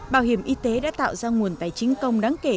bảo hiểm y tế đã tạo ra nguồn tài chính công đáng kể